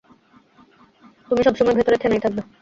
তুমি সবসময় ভেতরে থেনাই থাকবে।